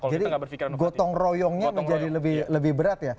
jadi gotong royongnya menjadi lebih berat ya